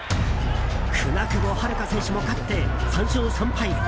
舟久保遥香選手も勝って３勝３敗。